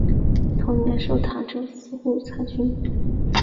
同年授澶州司户参军。